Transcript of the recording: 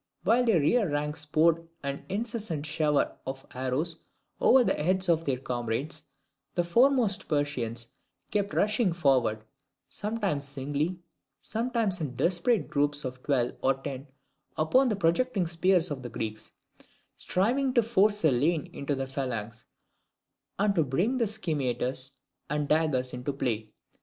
While their rear ranks poured an incessant shower of arrows over the heads of their comrades, the foremost Persians kept rushing forward, sometimes singly, sometimes in desperate groups of twelve or ten upon the projecting spears of the Greeks, striving to force a lane into the phalanx, and to bring their scimetars and daggers into play.